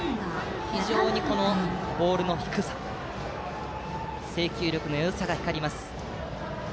非常にボールの低さ制球力のよさが光ります。